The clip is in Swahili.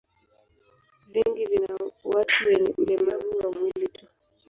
Vingi vina watu wenye ulemavu wa mwili tu.